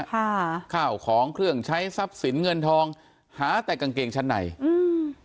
ข้าวของเครื่องใช้ทรัพย์สินเงินทองหาแต่กางเกงชั้นในอืม